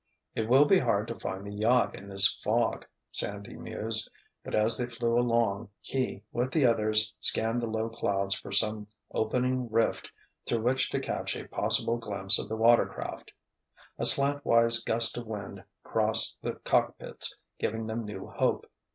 "It will be hard to find the yacht in this fog," Sandy mused, but as they flew along he, with the others, scanned the low clouds for some open rift through which to catch a possible glimpse of the water craft. A slantwise gust of wind crossed the cockpits, giving them new hope.